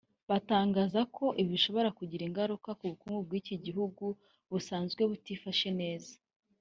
batangaza ko ibi bishobora kugira ingaruka ku bukungu bw’iki gihugu busanzwe butifashe neza